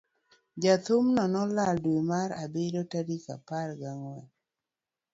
jathum no nolal dwe mar abiriyo tarik apar gi ang'wen,